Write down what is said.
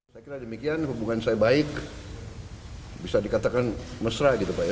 saya kira demikian hubungan saya baik bisa dikatakan mesra gitu pak ya